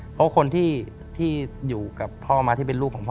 เพราะคนที่อยู่กับพ่อมาที่เป็นลูกของพ่อ